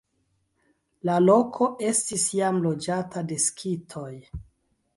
La loko estis jam loĝata de skitoj.